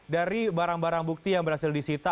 dari barang barang bukti yang berhasil disita